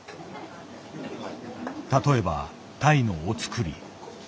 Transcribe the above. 例えばタイのお造り。